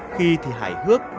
khi thì hài hước